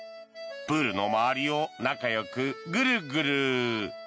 プールの周りを仲よくグルグル。